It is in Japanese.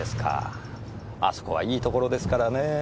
あそこはいい所ですからねぇ。